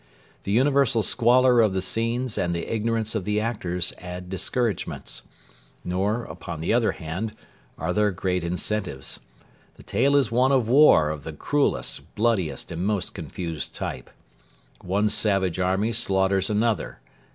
The universal squalor of the scenes and the ignorance of the actors add discouragements. Nor, upon the other hand, are there great incentives. The tale is one of war of the cruellest, bloodiest, and most confused type. One savage army slaughters another.